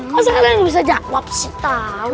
masa gak bisa jawab sih